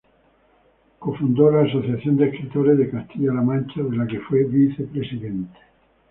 Cofundó la Asociación de Escritores de Castilla-La Mancha, de la que fue vicepresidente.